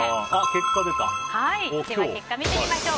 結果を見てみましょう。